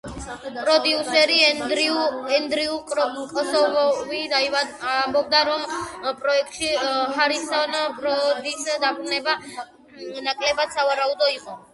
პროდიუსერი ენდრიუ კოსოვი ამბობდა, რომ პროექტში ჰარისონ ფორდის დაბრუნება ნაკლებად სავარაუდო იყო.